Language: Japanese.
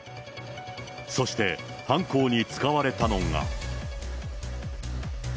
そして、犯行に使われたのが。